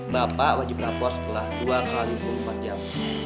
bapak wajib lapor setelah dua x dua puluh empat jam